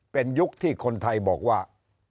เป็นยุคที่คนไทยบอกว่า